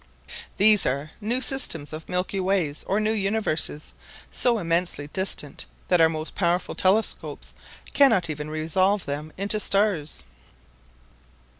These are new systems of milky ways or new universes, so immensely distant that our most powerful telescopes cannot even resolve them into stars.